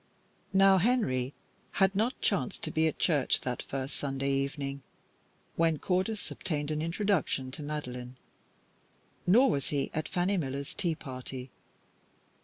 Now, Henry had not chanced to be at church that first Sunday evening when Cordis obtained an introduction to Madeline, nor was he at Fanny Miller's teaparty.